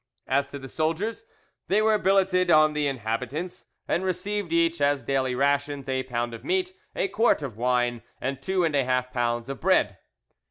As to his soldiers, they were billeted on the inhabitants, and received each as daily rations a pound of meat, a quart of wine, and two and a half pounds of bread.